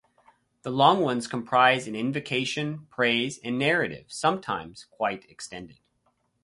The long ones comprise an invocation, praise, and narrative, sometimes quite extended.